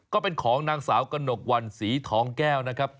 ก็เป็นของนางสาวกระหนกวันสีทองแก้วนะครับ